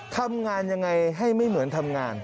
ทำงานยังไงให้ไม่เหมือนทำงาน